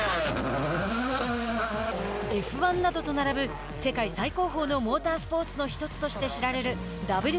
Ｆ１などと並ぶ世界最高峰のモータースポーツの１つとして知られるＷＲＣ。